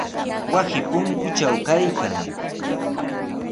Wasi punkutraw kaykan.